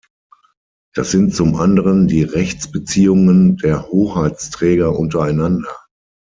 Das sind zum anderen die Rechtsbeziehungen der Hoheitsträger untereinander.